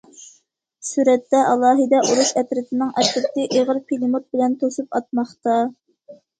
سۈرەتتە: ئالاھىدە ئۇرۇش ئەترىتىنىڭ ئەترىتى ئېغىر پىلىموت بىلەن توسۇپ ئاتماقتا.